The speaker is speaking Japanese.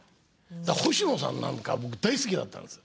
星野さんなんか僕大好きだったんです。